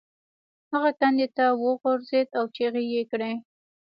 هغه کندې ته وغورځید او چیغې یې کړې.